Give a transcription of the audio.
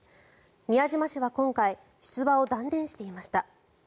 宮島氏は今回出馬を断念していました。